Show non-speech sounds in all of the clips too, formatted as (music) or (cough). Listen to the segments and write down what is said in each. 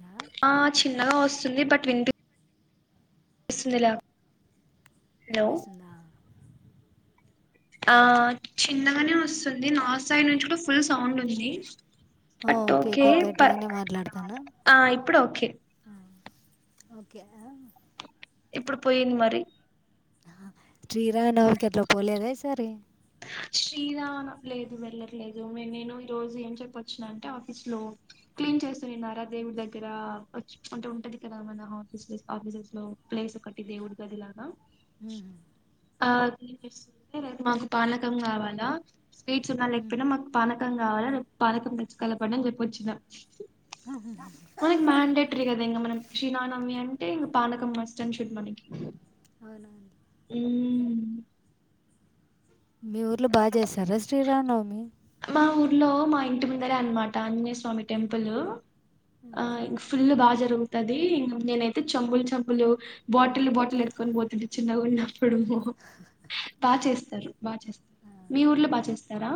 దా ఆ చిన్నగా వస్తుంది బట్ విన్పి (unintelligible) వినిపిస్తుందా ఆ హలో చిన్నగానే వస్తుంది నా సైడ్ నుంచి కూడా ఫుల్ సౌండ్ ఉంది ఆ బట్ ఓకే ఓకేఒకె ప గట్టిగానే మాట్లాడుతాన ఆ ఇప్పుడు ఓకే ఓకేనా ఇప్పుడు పోయింది మరి శ్రీరామనవమికి ఎట్లా పోలేద ఈసారి శ్రీరామన లేదు వెళ్లట్లేదు మే నేను ఈ రోజు ఏం చెప్పొచ్చుిన అంటే ఆఫీస్ లో క్లీన్ చేస్తూన్నారా దేవుడి దగ్గర అంటే ఉంటది కదా మీ ఆఫీస్ లో ప్లే ఒకటి దేవుడి గదిలాగా మ్ హూ ఆ క్లీన్ చేస్తుంది రేపు మాకు పానకం కావాలా స్వీట్స్ ఉన్నా లేకపోయినా మాకు పానక్ కం కావాల రేపు పానకం తెచ్చికలపండి అని చేప్పొచ్చిన మనక్ మ్యాండేటరీ కద ఇంగా మనం శ్రీ రామనవమి అం టే ఇంగ పాలకం మస్ట్న్ షుడ్ మనీకి అవున అండి హుమ్ మీ ఊర్లో బాగా చేస్తారా శ్రీరామనవమి మా ఊర్లో మా ఇంటి ముందరే అనమాట ఆంజనేయ స్వామి టెంపులు ఆ ఇ ఫుల్ బగ్ జరుగుతది నేనైతే చంబులు చంబులు బాటిల్ బాటిల్ ఎత్తుకొని పోతుండే చిన్నగున్న ప్పుడు బా చేస్తారు బా చేస్తారు మీ ఊర్లో బా చేస్తారా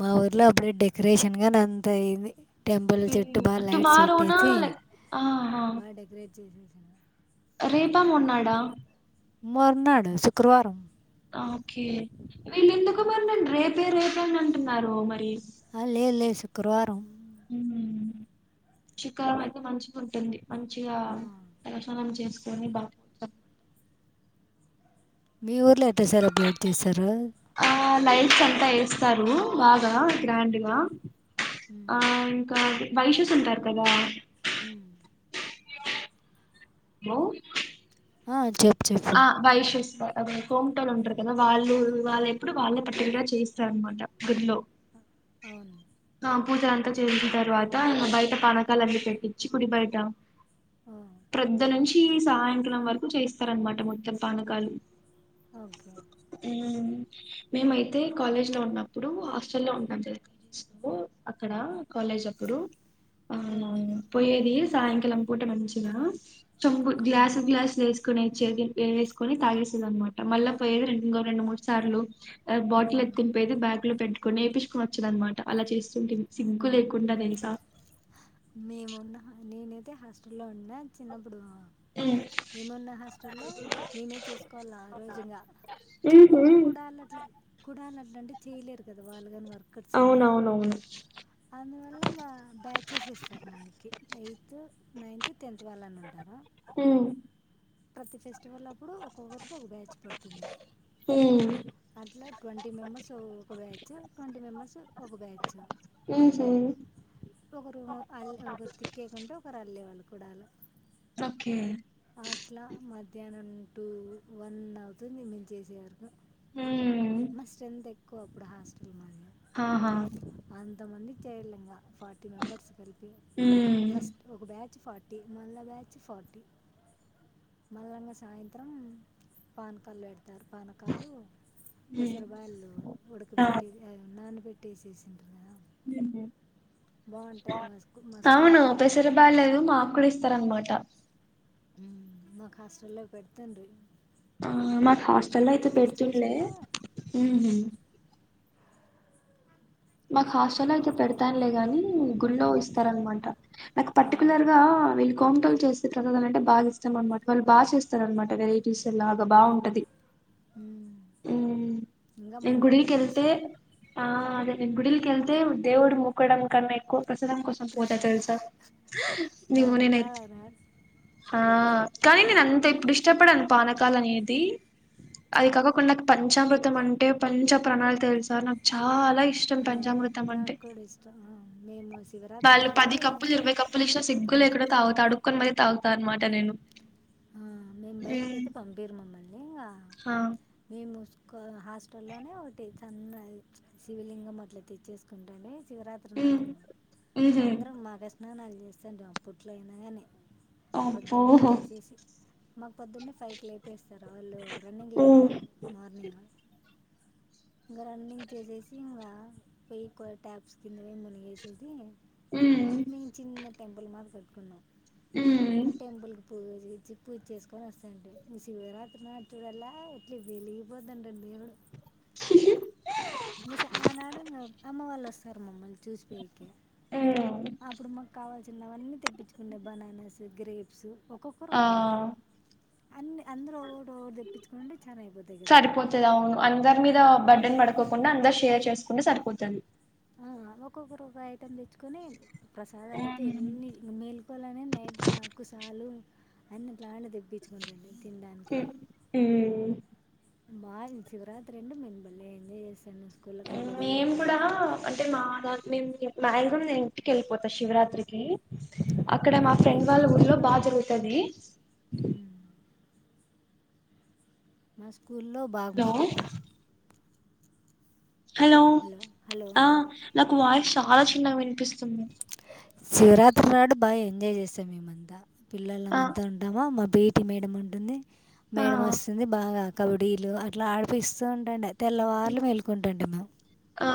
మా ఊర్లో అప్పుడే డెకరేషన్ గాని అంత అయింది టెంపుల్ చుట్టు హ్మ్ బాగా లైట్స్ టుమారోనా పెట్టేసి లైక్ ఆహా బాగా డెకరేట్ చేసేసి రేపా మర్న్నాడా మర్నాడు శుక్రవారం ఓకే. ని అంటున్నారు మరి అ లే లేద్ శుక్రవారం మ్ హు శుక్రవారం అయితే మంచిగా ఉంటుంది మంచిగా ఆ, తలస్నానం చేసుకొని బాత్ మీ ఊర్లో ఎట్ల సెలబ్రేట్ చేస్తారు ఆ లైట్స్ అంతా వేస్తారు బాగా గ్రాండ్గా ఉమ్ ఆ ఇంకా వైషూస్ ఉంటారు కదా మ్ లో ఆ చేప్ ఆ వైషూస్ వ అదే కొంటోళ్ళు ఉంటారు కదా వాళ్ళు వాళ్ళు ఎప్పుడు వాళ్ళే పట్టిల్గ చేయిస్తారనమాట గుడిలో అవున్ ఆ పూజల అంతా చేయించిన తర్వాత బయట పానకాలన్నీ పెట్టించి గుడి బయట ఓ ప్రొద్ద నుంచి సాయంత్రం వరకు చేస్తారనమాట మొత్తం పానకాలు ఒకే ఉమ్ మేమైతే కాలేజ్ లో ఉన్నప్పుడు హాస్టల్ లో ఉంటాం (unintelligible) లో అక్కడ కాలేజ్ అప్పుడు ఉమ్, అవునవును పోయ్యేది సాయంకాలం పూట మంచిగా చెంబు ఉమ్, గ్లాసు గ్లాస్ లేస్ కొనిచేది వేసుకొని తాగేసేది అనమాట మళ్ళ పోయేది రెండుో రెండు మూడు సార్లు బటిల్ ఉమ్, ఎత్తిని పొయ్యేది బ్యాగ్ లో పెట్టుకొని వేపించుకొని వచేది అనమాట అలా చేస్తు మేమున్న నేనైతే హాస్టల్ లో ఉన్నా చిన్నప్పుడు ఉమ్, మేమున్న హాస్టల్లో మేమే చేసుకోవల ఆ రోజు ఇగ ఉహు అంటే కుడ అల్ అట్ల కుడళ్ అట్ల అంటే చేయలేరు గద వాళ్ళు గని వర్ అవునవునవును అందువల్ల ఇంగ బ్యాచ్ ఏస్తరు మనకి ఎయిత్ నైన్త్ టెన్ ఉమ్ ప్రతి ఫెస్టివల్ అప్పుడు ఇప్పుడు ఒక్కొక్కరితొ ఒక బ్యాచ్ పడుతుందే ఉమ్, అట్ల ట్వంటీ మెంబర్స్ ఒ ఒక బ్యాచ్ ట్వంటీ మెంబర్స్ ఒక బ్యాచ్ ఉహు ఒకరు అల్ ఒకరు తిక్కేయకుంటే ఒకరు అల్లేవాళ్ళు కుడాలు ఓకే ఆట్ల మధ్యాహ్నం టూ వన్ అవుతుంది మేమ్ చేసే వరకు ఉమ్ మా స్ట్రెంత్ ఎక్కువ అప్పుడు హాస్టల్ మాది ఆహా కొంతమంది చేరలేంగ ఫార్టీ మెంబర్స్ కలిపి ఉమ్ ఫస్ట్ ఒక బ్యా ఫార్టీ మల్ల బ్యాచ్ ఫార్టీ మల్లంగ సాయంత్రం పాన్ కళ్ పెడ్ తారు పానకాలు పెసర్ బాయలు ఉడకబెట్టి అవి నాన్బెటి టి సేసీన్ర ఉ హు మా స్కూ మా స్కూల్లో అవును బాగా పెసర పెడతాను బాలేదు మా కుడ ఇస్తర్ అనమాట్ ట ఉ మాక్ హాస్టల్లో పెడుతండ్రి ఆ మాక్ హాస్టల్లో అయితే పెడుతురులే రెసిడెన్షియలా మ్మ్. మాక్ హాస్టల్ అయితే పెడతారులే గని గుళ్లో ఇస్తరనమాట నాకు ఆ, పర్టికులర్గా వె కొంటోళ్లు చేస్తే ప్రసాదం అంటే బాగా ఇష్టం అనమాట వాళ్ళు బాగ చేస్తర్ అనమాట వెరైటీస్ బాగుంటది (inaudible) ఉ ఇంకా నేన్ మాది మా గుడిలికెళ్తే ఆ అదే నేన్ గుడిల్కెళ్తే దేవుడు మొక్కడం కన్న ఎక్కువ ప్రసాదం కోసం పోత ప్రసాద్ తెల్స నివ్ నేన్ పానకాల నాట్ ఆ ఆ కనీ నేను అంత ఏప్పుడు ఇష్టపడను పానకాల్ అనేది అది కాక కానీ నాక్ పంచామృతం అంటే పంచ ప్రణల్ తెల్స నాక్ చా చాలా ఇష్టం పంచామృతం నాకు అంటే కూడా ఇష్టం ఆ, మేము శివరాత్రి వాళ్ళు పది అప్పుడైతే కప్పులు ఇరవై కప్పులు ఇస్తే సిగు లేకుండా తాగుతాడు అడుకొని మరి తాగుతనమాట నేను ఆ మేమ్ బయ్టికెళ్తే పంపిరు మమ్మల్ని ఇగ ఆ మేము ఒక హాస్టల్లోనే ఒకటి చన్నది శివలింగం అట్ల తెచ్చేసుకుంటానె ఉమ్ శివరాత్రినాడొ ఉహు అందరం మగష్ణనాల్ చేస్తుండే అప్పట్లో అయిన గని అబ్బో పొద్దున్నె లెసేసి మాక్ పొద్దున్నే ఫైవ్ కి లేపేస్తరు ఆళ్ళు రన్నింగ్ కి ఉమ్ లేపుతరు మార్నింగ్ ఇగ రన్నింగ్ చేసేసి ఇగ పికో ట్యాప్స్ కింద పోయి మునిగేసేసి ఉమ్ మేమ్ చిన్న టెంపుల్ మద్ కట్టుకున్నం ఆ ఉమ్ టెంపుల్ పూజిచ్చి పూజ్ చేసుకొని ఒస్తంటి శివరాత్రి నాడ్ చూడల ఇట్ల వెలిగిపోతతండి (inaudible) మిస్ ఆనాడు ఇగ అమ్మ వాళ్ళు ఒస్తరు మమ్మల్ని చూసిపోయ్కి ఉమ్ అప్పుడు మాక్ కావాల్సినవన్నీ తెప్పించుకుంట బననాస్ గ్రేప్స్ ఒక్కొక్కరు ఆ ఒక్కొక్క ఐటమ్ అందరు ఒగొటి ఒగొటి తెప్పించుకుంటే చన అయిపొతయ్ గదా కోకుండ అందర్ షేర్ చేసుకుంటే సరిపొతది ఆమే కొకరుపై టక్ తెచ్చుకొని ప్రసాదాలు అయితే ఉమ్ ఎన్ని మేల్కోలనే నైట్ కుసాలు అన్ని ఇట్లానే తెప్పించుకుండండి మ్ మాది శివరాత్రి అంటే మేమ్ బలే ఎంజాయ్ చేస్తాం మేము గూడ అంటే మా దాన్ మేము మ్యాగీజిమమ్ నిన్ ఇంటికేల్పోతా శివరాత్రికి ఆ, అక్కడ మా ఇంటి ఫ్రెండ్ దగ్గర వాళ్ళ ఏమి ఊర్లో ఉండదు బా మాకు జరుగుతాది ఉమ్, మా స్కూల్లో బాగ్ హలో మాకి హలో ఆ నాకు వాయిస్ చాలా చిన్నగా వినిపిస్తుంది శివరాత్రి నాడు బాగా ఎంజాయ్ చేసాం మేమంతా పిల్లలం ఆ అంతా ఉంటామా మా పిటి మేడం ఉంటుంది ఆ మేడం వొస్తుంది బాగా కబడ్డీలు అట్లా ఆడిపిస్తూ ఉంటండే తెల్లవార్లూ మెల్కుంటుండే మీమ్ ఆ